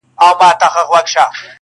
قاسم یاره دوی لقب د اِبهام راوړ،